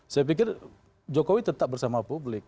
saya pikir jokowi tetap bersama publik